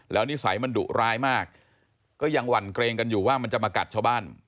แล้วนิสัยมันดุร้ายมากก็ยังหวั่นเกรงกันอยู่ว่ามันจะมากัดชาวบ้าน